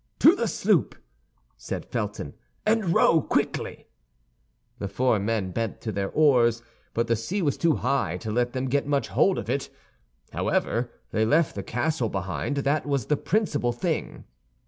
"To the sloop," said Felton, "and row quickly." The four men bent to their oars, but the sea was too high to let them get much hold of it. However, they left the castle behind; that was the principal thing.